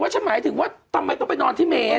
ฉันหมายถึงว่าทำไมต้องไปนอนที่เมน